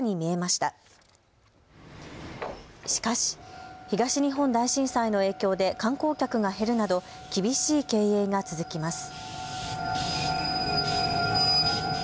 しかし東日本大震災の影響で観光客が減るなど厳しい経営が続きます。